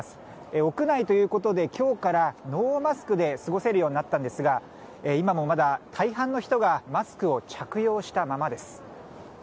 屋内ということできょうからノーマスクで過ごせるようになったんですが、今もまだ大半の人がマスクを着用したままです。